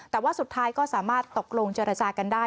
แต่ว่าสุดท้ายก็สามารถตกลงเจรจากันได้